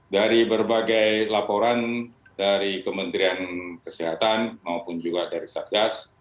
dari berbagai laporan dari kementerian kesehatan maupun juga dari satgas